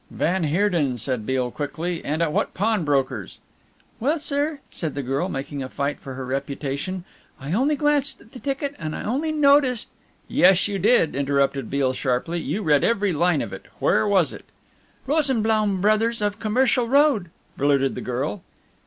"Van Heerden," said Beale quickly, "and at what pawnbrokers?" "Well, sir," said the girl, making a fight for her reputation, "I only glanced at the ticket and I only noticed " "Yes, you did," interrupted Beale sharply, "you read every line of it. Where was it?" "Rosenblaum Bros., of Commercial Road," blurted the girl.